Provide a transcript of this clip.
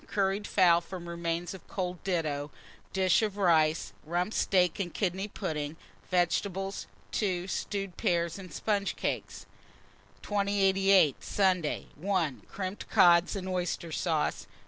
Curried fowl, from remains of cold ditto; dish of rice, Rump steak and kidney pudding, vegetables. 2. Stewed pears and sponge cakes. 2088. Sunday. 1. Crimped cod and oyster sauce.